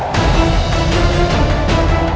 besar sekali mulutmu